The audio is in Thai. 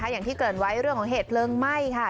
อย่างที่เกิดไว้เรื่องของเหตุเพลิงไหม้ค่ะ